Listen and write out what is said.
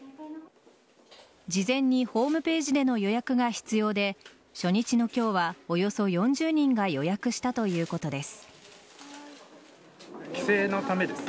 事前にホームページでの予約が必要で初日の今日は、およそ４０人が予約したということです。